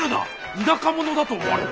田舎者だと思われる。